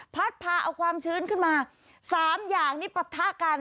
พัดพาเอาความชื้นขึ้นมา๓อย่างนี้ปะทะกัน